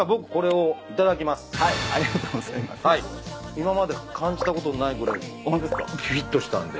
今まで感じたことのないぐらいびびっときたんで。